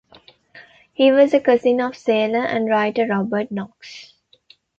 He was a cousin of sailor and writer Robert Knox.